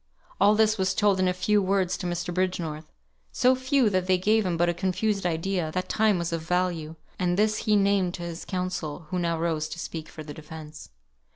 All this was told in a few words to Mr. Bridgenorth so few, that they gave him but a confused idea, that time was of value; and this he named to his counsel, who now rose to speak for the defence.